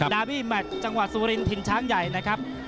ดาบี้แมทจังหวัดสุรินถิ่นช้างใหญ่นะครับ